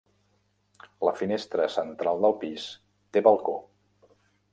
La finestra central del pis té balcó.